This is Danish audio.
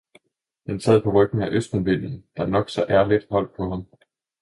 Han sad på ryggen af Østenvinden, der nok så ærligt holdt på ham.